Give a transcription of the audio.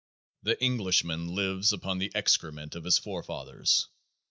The Englishman lives upon the excrement of his forefathers.